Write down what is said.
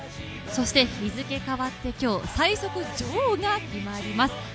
そして日付が変わって最速女王が決まります。